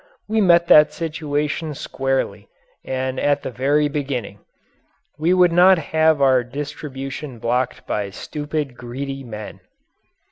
We met that situation squarely and at the very beginning. We would not have our distribution blocked by stupid, greedy men.